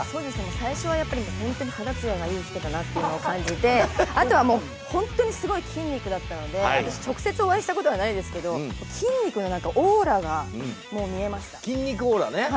最初は肌つやがいい人だなと感じて、あとはすごい筋肉だったので、直接お会いしたことないですけど、筋肉のオーラが見えました。